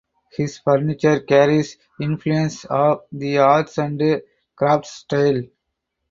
His furniture carries influence of the Arts and Crafts style.